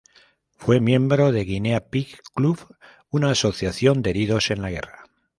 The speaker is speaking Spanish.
Fue miembro del Guinea Pig Club, una asociación de heridos en la guerra.